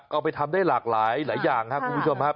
เอาไปทำได้หลากหลายอย่างครับคุณผู้ชมครับ